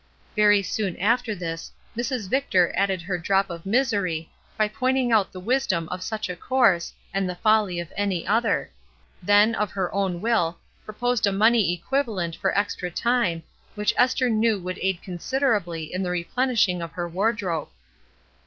Very soon after this, Mrs. Victor added her drop of misery by point ing out the wisdom of such a course and the folly of any other; then, of her own will, pro 240 ESTER RIED'S NAMESAKE posed a money equivalent for extra time, which Esther knew would aid considerably in the replenishing of her wardrobe.